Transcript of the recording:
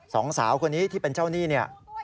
สองสาวคนนี้ที่เป็นเจ้าหนี้เนี่ย